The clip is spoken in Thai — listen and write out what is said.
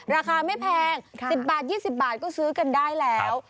ราคาไม่แพง๑๐บาท๒๐บาทก็ซื้อกันได้แล้ว